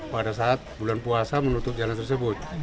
pada saat bulan puasa menutup jalan tersebut